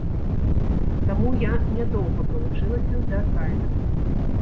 Таму я не доўга правучылася ў тэатральным.